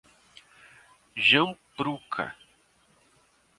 Jampruca